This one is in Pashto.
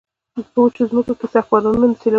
په وچو ځمکو کې سخت بارانونه د سیلابونو سبب کیږي.